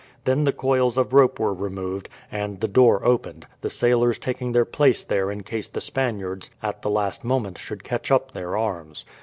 Then the coils of rope were removed, and the door opened, the sailors taking their place there in case the Spaniards at the last moment should catch up their arms.